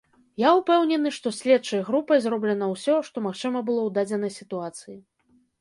Я ўпэўнены, што следчай групай зроблена ўсё, што магчыма было ў дадзенай сітуацыі.